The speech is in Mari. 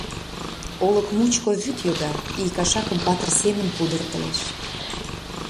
Олык мучко вӱд йога, ий кашакым патыр семын пудыртылеш.